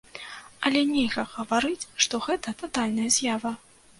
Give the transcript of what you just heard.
Але нельга гаварыць, што гэта татальная з'ява.